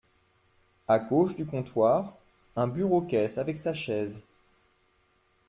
A gauche du comptoir, un bureau-caisse avec sa chaise.